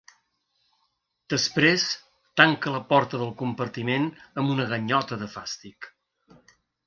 Després tanca la porta del compartiment amb una ganyota de fàstic.